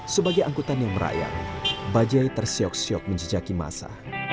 sebagai angkutan yang merayang bajaj tersiok siok menjejaki masa